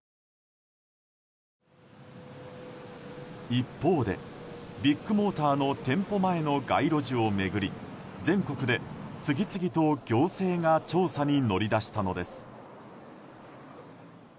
一方で、ビッグモーターの店舗前の街路樹を巡り全国で、次々と行政が調査に乗り出したのです。